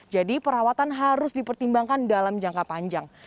jadi perawatan harus dipertimbangkan dalam jangka panjang